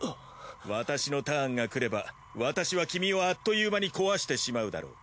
私のターンが来れば私は君をあっという間に壊してしまうだろう。